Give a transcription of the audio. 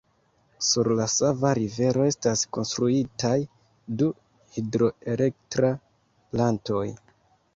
Sur la Sava Rivero estas konstruitaj du hidroelektra plantoj.